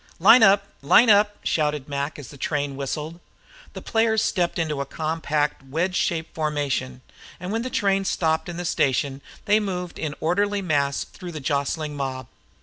"Line up! Line up!" shouted Mac, as the train whistled. The players stepped into a compact, wedge shaped formation; and when the train stopped in the station they moved in orderly mass through the jostling mob.